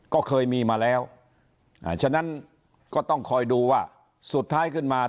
ก็เคยมีมาแล้วฉะนั้นก็ต้องคอยดูว่าสุดท้ายขึ้นมา